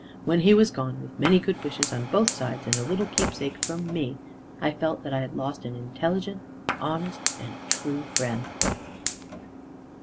When he was gone, with many good wishes on both sides, and a little keepsake from me, I felt that I had lost an intelligent, honest, and true friend.